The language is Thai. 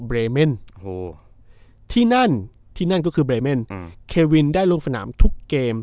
เบรเม่นโอ้โหที่นั่นที่นั่นก็คือเบรเม่นอืมเควินได้ลงสนามทุกเกม